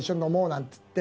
なんつって。